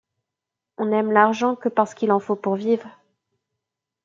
On n’aime l’argent que parce qu’il en faut pour vivre.